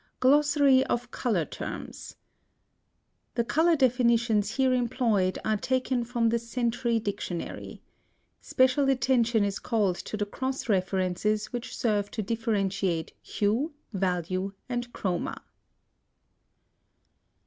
GLOSSARY OF COLOR TERMS TAKEN FROM THE CENTURY DICTIONARY. GLOSSARY _The color definitions here employed are taken from the Century Dictionary. Special attention is called to the cross references which serve to differentiate HUE, VALUE, and CHROMA.